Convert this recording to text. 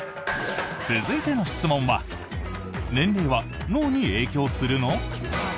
続いての質問は年齢は脳に影響するの？